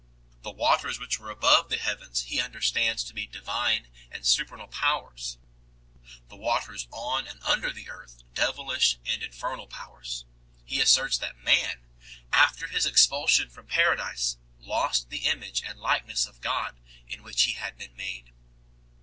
The waters which were above the heavens he understands to be divine and supernal powers, the waters on and under the earth devilish and infernal powers. He asserts that man, after his expulsion from Paradise, lost the image and likeness of God in which he had been made.